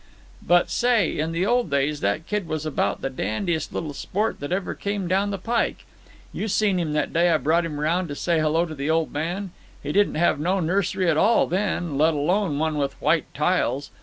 "But, say, in the old days that kid was about the dandiest little sport that ever came down the pike. You seen him that day I brought him round to say hello to the old man. He didn't have no nursery at all then, let alone one with white tiles.